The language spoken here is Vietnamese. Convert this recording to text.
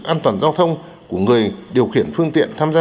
an toàn giao thông của người điều khiển phương tiện tham gia